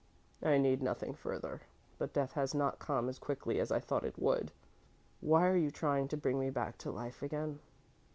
I need nothing further; but death has not come as quickly as I thought it would. Why are you trying to bring me back to life again?"